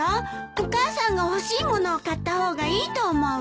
お母さんが欲しい物を買った方がいいと思うわ。